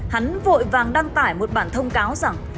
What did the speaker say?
hắn vội vàng đăng tải một bản thông cáo rằng